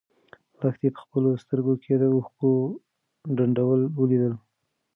لښتې په خپلو سترګو کې د اوښکو ډنډول ولیدل.